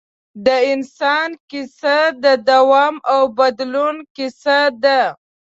د انسان کیسه د دوام او بدلون کیسه ده.